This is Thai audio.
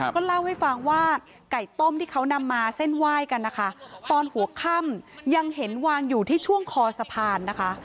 ก็เล่าให้ฟังว่าไก่ต้มที่เขานำมาเส้นไหว้กันนะคะตอนหัวค่ำยังเห็นวางอยู่ที่ช่วงคอสะพานนะคะ